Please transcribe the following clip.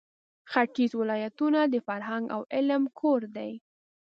ختیځ ولایتونه د فرهنګ او علم کور دی.